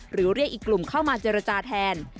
เรียกอีกกลุ่มเข้ามาเจรจาแทน